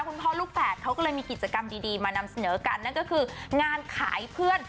คุณพ่อลูกแฝดเขาก็เลยมีกิจกรรมดีมานำเสนอกันนั่นก็คืองานขายเพื่อน